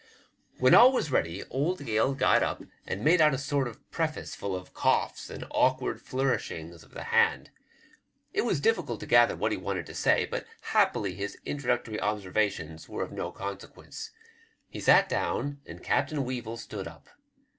When all was ready, old Gale got up and made out a sort of preface full of coughs and awkward flourishings of the band. It was difficult to gather what be wanted to say, but happily his introductory observations were of no consequence. He sat down, and Captain Weevil stood up.